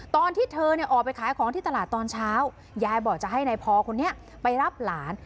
ตอนที่เธอเนี่ยออกไปขายของที่ตลาดตอนเช้ายายบอกจะให้นายพอคนนี้ไปรับหลาน